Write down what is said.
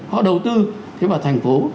họ đầu tư thế mà thành phố